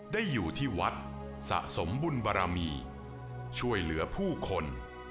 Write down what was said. ได้อยู่ที่วัดสะสมบุญบารมีช่วยเหลือผู้คน